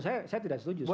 saya tidak setuju soalnya